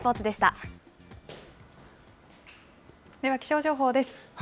では気象情報です。